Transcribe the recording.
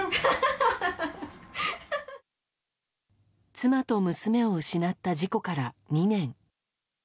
妻と娘を失った事故から２年。